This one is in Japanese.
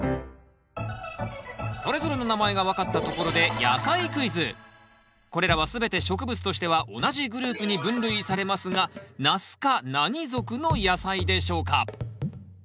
それぞれの名前が分かったところでこれらは全て植物としては同じグループに分類されますがナス科何属の野菜でしょうか？